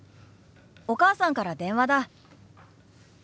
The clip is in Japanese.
お母さんから電話だ。